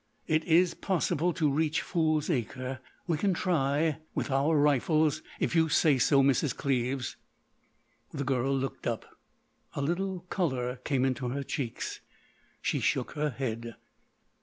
It is possible to reach Fool's Acre. We can try—with our rifles—if you say so, Mrs. Cleves." The girl looked up. A little colour came into her cheeks. She shook her head.